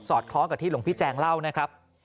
คล้องกับที่หลวงพี่แจงเล่านะครับ